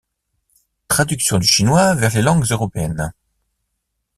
Traductions du chinois vers les langues européennes.